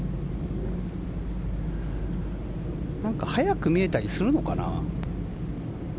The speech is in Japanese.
なんか速く見えたりするのかな。